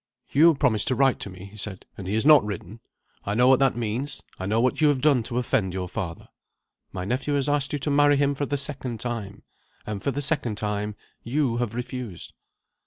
"Hugh promised to write to me," he said, "and he has not written. I know what that means; I know what you have done to offend your father. My nephew has asked you to marry him for the second time. And for the second time you have refused."